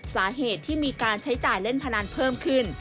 สาเหตุที่มีการใช้จ่ายเล่นพนันเพิ่มขึ้น